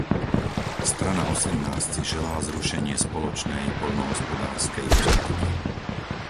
Strana osemnásť si želá zrušenie spoločnej poľnohospodárskej politiky.